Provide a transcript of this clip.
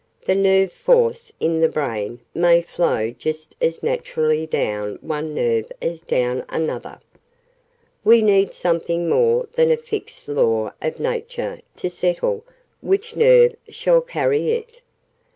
"The nerve force in the brain may flow just as naturally down one nerve as down another. We need something more than a fixed Law of Nature to settle which nerve shall carry it.